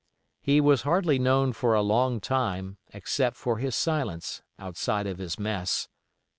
He was hardly known for a long time, except for his silence, outside of his mess.